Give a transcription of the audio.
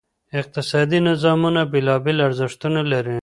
اقتصادي نظامونه بېلابېل ارزښتونه لري.